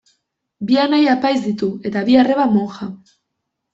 Bi anai apaiz ditu, eta bi arreba moja.